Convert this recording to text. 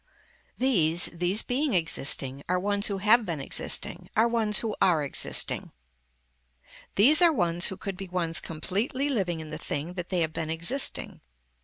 These, these being existing are ones who have been existing are ones who are existing. These are ones who could be ones completely living in the thing that they have been existing.